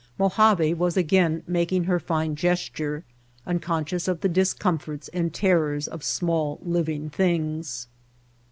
Mojave was again making her fine gesture, unconscious of the discomforts and terrors of small living things.